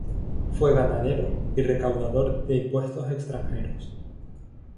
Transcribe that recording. Fue ganadero y recaudador de impuestos extranjeros.